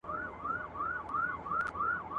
خره پرخوله لغته ورکړله محکمه ..